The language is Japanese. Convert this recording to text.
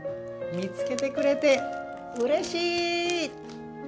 見つけてくれてうれしい！